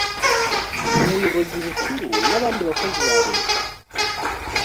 ubuyobozi bukuru n abandi bakozi ba leta